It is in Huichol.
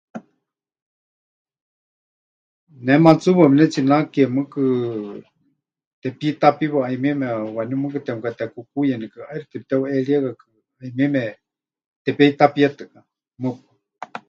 Ne matsɨɨwa pɨnetsinake mɨɨkɨ tepitapiwa 'ayumieme waníu mɨɨkɨ temɨkatekukuuyenikɨ, ʼaixɨ temɨteheuʼeríekakɨ, 'ayumieme tepeitapíetɨka. Mɨpaɨ.